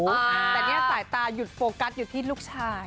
แต่เนี่ยสายตาหยุดโฟกัสอยู่ที่ลูกชาย